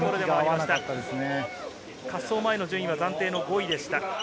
滑走前の順位は暫定の５位でした。